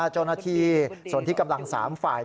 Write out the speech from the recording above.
เจ้าหน้าที่ส่วนที่กำลัง๓ฝ่าย